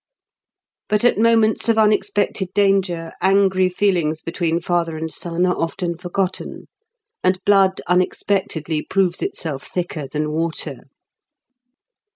But at moments of unexpected danger angry feelings between father and son are often forgotten, and blood unexpectedly proves itself thicker than water.